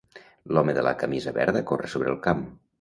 L'home de la camisa verda corre sobre el camp.